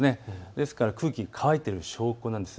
ですから、空気が乾いている証拠なんです。